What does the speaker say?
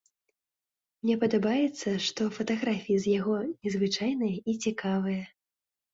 Мне падабаецца, што фатаграфіі з яго незвычайныя і цікавыя.